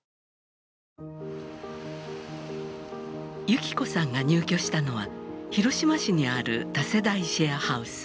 幸子さんが入居したのは広島市にある多世代シェアハウス。